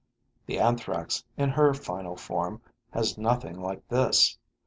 The Anthrax, in her final form, has nothing like this.